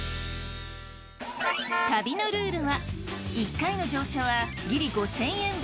旅のルールは１回の乗車はギリ５，０００円分。